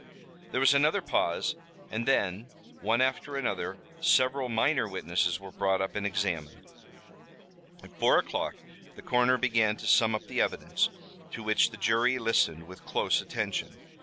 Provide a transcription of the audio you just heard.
There was another pause and then, one after another, several minor witnesses were brought up and examined. At four o'clock the coroner began to sum up the evidence, to which the jury listened with close attention.